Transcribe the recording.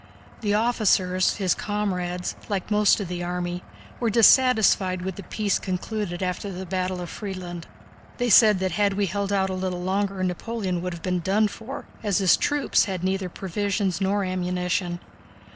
The officers, his comrades, like most of the army, were dissatisfied with the peace concluded after the battle of Friedland. They said that had we held out a little longer Napoleon would have been done for, as his troops had neither provisions nor ammunition.